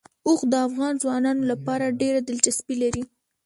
اوښ د افغان ځوانانو لپاره ډېره دلچسپي لري.